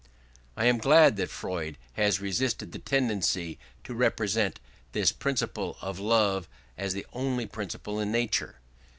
I am glad that Freud has resisted the tendency to represent this principle of Love as the only principle in nature.